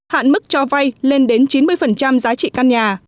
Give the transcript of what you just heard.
hạn mức cho vay lên đến chín mươi giá trị căn nhà